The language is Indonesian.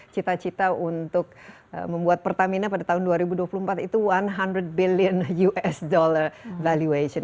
cita cita untuk membuat pertamina pada tahun dua ribu dua puluh empat itu seratus billion usd valuation